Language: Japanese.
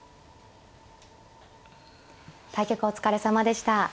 対局お疲れさまでした。